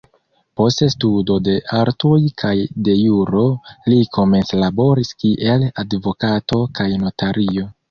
Post studo de artoj kaj de juro, li komence laboris kiel advokato kaj notario.